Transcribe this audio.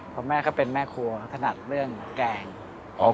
พอแม่เขาก็เป็นแม่ครัวขนาดเรื่องแกง